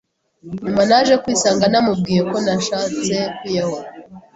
Nyuma naje kwisanga namubwiye ko nashatse kwiyahura,